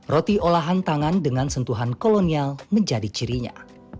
roti olahan tangan dengan sentuhan kolonial menjadi cirinya